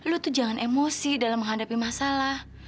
lu tuh jangan emosi dalam menghadapi masalah